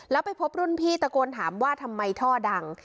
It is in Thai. แล้วไปพบรุ่นพี่ตะโกนถามว่าทำไมท่อดัง